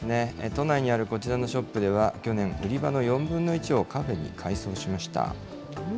都内にあるこちらのショップでは、去年、売り場の４分の１をカフェに改装しました。